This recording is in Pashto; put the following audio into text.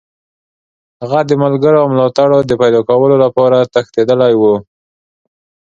هغه د ملګرو او ملاتړو د پیداکولو لپاره تښتېدلی وو.